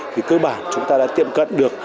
thì cơ bản chúng ta đã tiệm cận được